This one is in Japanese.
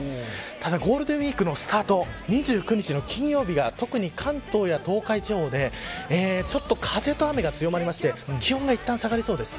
ただ、ゴールデンウイークのスタート、２９日の金曜日が特に関東や東海地方で風と雨が強まりまして気温がいったん下がりそうです。